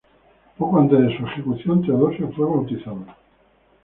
Poco antes de su ejecución, Teodosio fue bautizado.